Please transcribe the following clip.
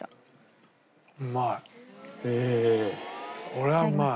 これはうまい。